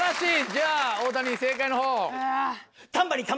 じゃあ大谷正解の方を。